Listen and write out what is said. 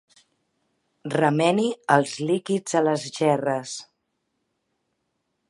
Remeni els líquids a les gerres.